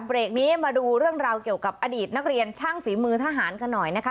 เบรกนี้มาดูเรื่องราวเกี่ยวกับอดีตนักเรียนช่างฝีมือทหารกันหน่อยนะคะ